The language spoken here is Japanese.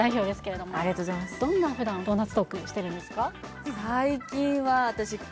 どんな普段ドーナツトークしてるんですか？